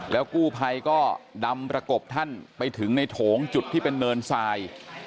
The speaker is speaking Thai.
กู้ภัยก็ดำประกบท่านไปถึงในโถงจุดที่เป็นเนินทราย